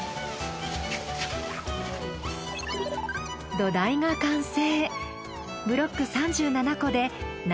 土台が完成。